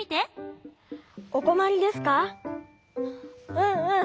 うんうん。